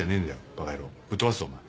バカ野郎ぶっ飛ばすぞお前。